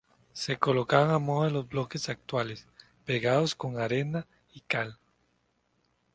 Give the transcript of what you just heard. Se colocaban a modo de los bloques actuales, pegados con arena y cal.